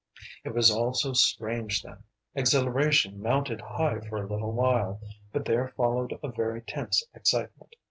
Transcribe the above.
It was all so strange then; exhilaration mounted high for a little while, but there followed a very tense excitement.